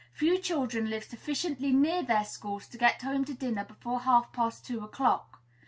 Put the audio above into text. Few children live sufficiently near their schools to get home to dinner before half past two o'clock.